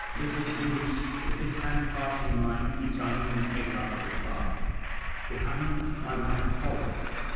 Little Iülus, with his hand fast in mine, keeps uneven pace after his father. Behind my wife follows.